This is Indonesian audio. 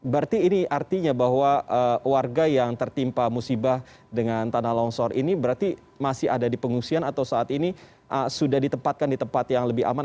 berarti ini artinya bahwa warga yang tertimpa musibah dengan tanah longsor ini berarti masih ada di pengungsian atau saat ini sudah ditempatkan di tempat yang lebih aman